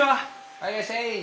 はいいらっしゃい！